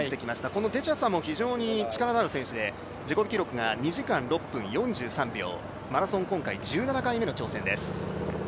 このデチャサも非常に力のある選手で自己記録が２時間４分４３秒マラソン、今回１７回目の挑戦です。